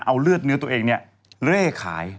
เอาเลือดเนื้อตัวเองเนี่ยเล่ขาย